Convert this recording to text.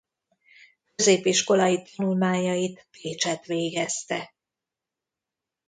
Középiskolai tanulmányait Pécsett végezte.